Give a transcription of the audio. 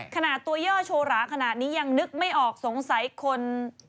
ขนาดตัวย่อโชว์หราขนาดนี้ยังนึกไม่ออกสงสัยคน